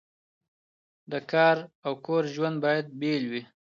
د کار او کور ژوند باید بیل وي.